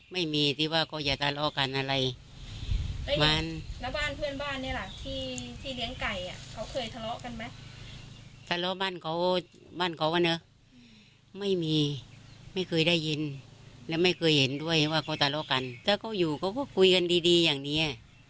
ไม่มีที่ว่าก็จะทะเลากันอะไร